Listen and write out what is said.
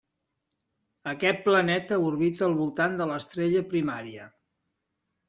Aquest planeta orbita al voltant de l'estrella primària.